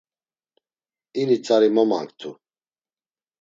İni tzari momanktu.